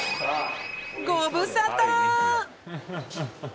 ご無沙汰！